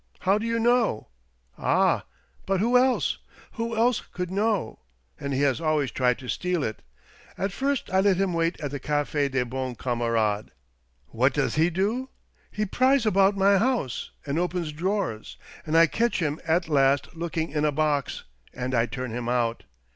How do you know ?"" Ah ! But who else ? Who else could know ? And he has always tried to steal it. At first, I let him wait at the Cafe des Bons Camarades. What does he do ? He prj's about my house, and opens 124 THE DORRINGTON DEED BOX drawers; and I catch him at last looking in a box, and I turn him out.